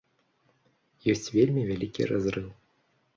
Ёсць вельмі вялікі разрыў.